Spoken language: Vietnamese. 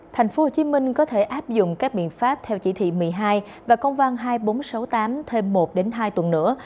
tp hcm có thể áp dụng các biện pháp theo chỉ thị một mươi hai và công văn hai nghìn bốn trăm sáu mươi tám thêm một hai tuần nữa